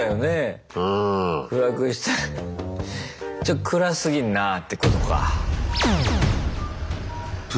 ちょっと暗すぎんなぁってことか。